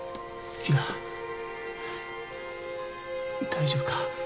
大丈夫か？